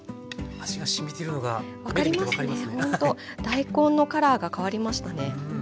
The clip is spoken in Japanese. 大根のカラーが変わりましたね。